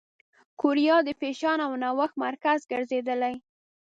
کوریا د فېشن او نوښت مرکز ګرځېدلې.